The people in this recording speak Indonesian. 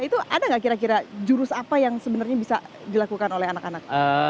itu ada nggak kira kira jurus apa yang sebenarnya bisa dilakukan oleh anak anak